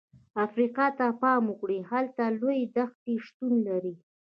افریقا ته پام وکړئ، هلته لویې دښتې شتون لري.